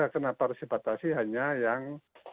kenapa harus dibatasi hanya yang